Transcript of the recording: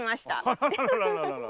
あららららら。